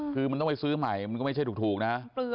คือมันต้องไปซื้อใหม่มันก็ไม่ใช่ถูกนะ